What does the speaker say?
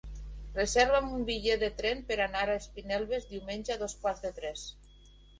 Reserva'm un bitllet de tren per anar a Espinelves diumenge a dos quarts de tres.